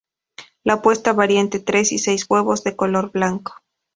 La puesta varía entre tres y seis huevos, de color blanco.